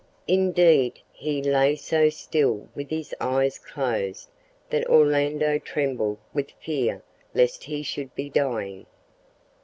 Indeed he lay so still with his eyes closed that Orlando trembled with fear lest he should be dying.